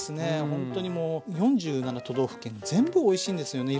ほんとにもう４７都道府県全部おいしいんですよね